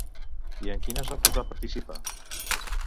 I en quines obres va participar?